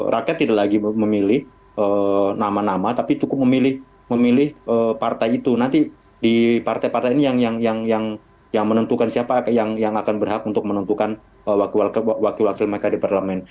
rakyat tidak lagi memilih nama nama tapi cukup memilih partai itu nanti di partai partai ini yang menentukan siapa yang akan berhak untuk menentukan wakil wakil mereka di parlemen